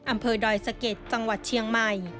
อำเภอดอยสะเก็ดจังหวัดเชียงใหม่